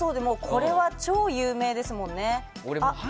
これは超有名ですもんね。